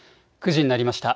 ９時になりました。